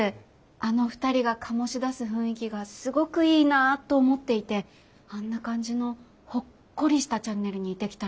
あの２人が醸し出す雰囲気がすごくいいなと思っていてあんな感じのほっこりしたチャンネルにできたらなぁって。